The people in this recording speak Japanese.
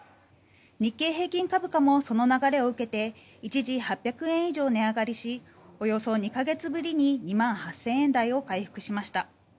日経平均株価もその流れを受けて一時、８００円以上値上がりしおよそ２か月ぶりに２万８０００円台を回復しました。